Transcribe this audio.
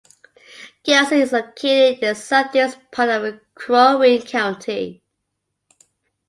Garrison is located in the southeast part of Crow Wing County.